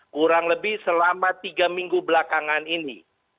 kurang lebih selama tiga minggu belakangan ini